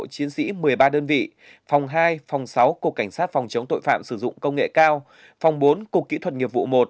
chiến sĩ một mươi ba đơn vị phòng hai phòng sáu cục cảnh sát phòng chống tội phạm sử dụng công nghệ cao phòng bốn cục kỹ thuật nghiệp vụ một